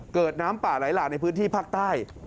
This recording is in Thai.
เกิดน้ำป่าไหลหลากในพื้นที่ภาคใต้